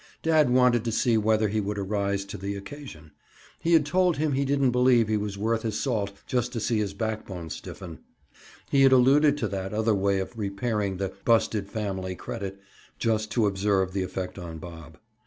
Dad wanted to see whether he would arise to the occasion. He had told him he didn't believe he was worth his salt just to see his backbone stiffen. He had alluded to that other way of repairing the "busted family credit" just to observe the effect on Bob.